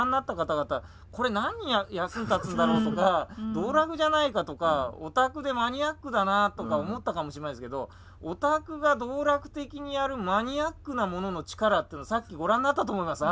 これ何に役に立つんだろうとか道楽じゃないかとかオタクでマニアックだなとか思ったかもしれないですけどオタクが道楽的にやるマニアックなものの力ってのはさっきご覧なったと思います。